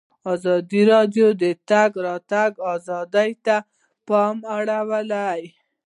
ازادي راډیو د د تګ راتګ ازادي ته پام اړولی.